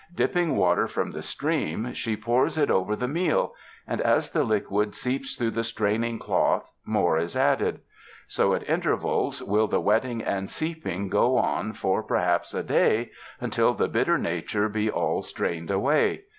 Dipping water from the stream, she pours 92 THE MOUNTAINS it over the meal and as the liquid seeps through the straining cloth, more is added. So at intervals will the wetting and seeping go on for, perhaps, a day, until the bitter nature be all strained away.